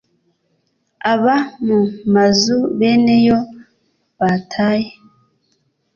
aba mu mazu beneyo bataye